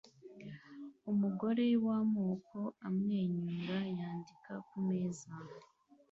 Umugore wamoko amwenyura yandika kumeza